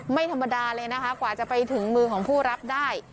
ไม่ธรรมดาเลยนะคะกว่าจะไปถึงมือของผู้รับได้